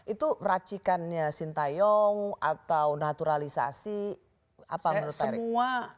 itu racikannya sintayong atau naturalisasi apa menurut semua